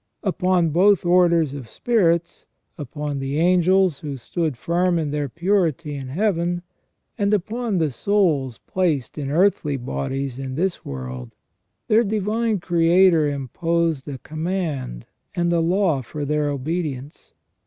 Upon both orders of spirits, upon the angels who stood firm in their purity in Heaven, and upon the souls placed in earthly bodies in this world, their Divine Creator imposed a command and a law for their obedience.